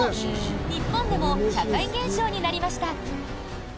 日本でも社会現象になりました。